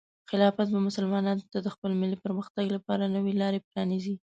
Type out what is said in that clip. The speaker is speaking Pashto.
خلافت به مسلمانانو ته د خپل ملي پرمختګ لپاره نوې لارې پرانیزي.